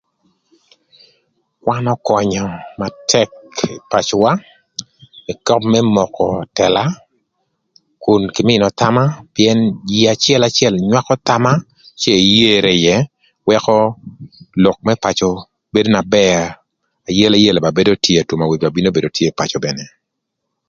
Kwan ökönyö na tëk ï pacöwa ëka më moko tëla, kun kï mïnö thama, pïën jïï acëlacël nywakö thama, cë eyere ïë wëkö lok më pacö bedo na bër, ayelyela ba bedo tye atwoma wic ba bino bedo tye ï pacö mene.